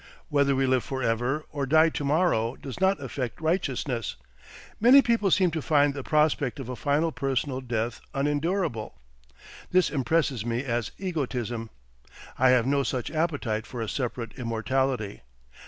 Whether we live forever or die tomorrow does not affect righteousness. Many people seem to find the prospect of a final personal death unendurable. This impresses me as egotism. I have no such appetite for a separate immortality.